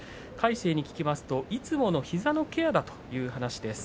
魁聖に聞きますといつもの膝のケアだという話です。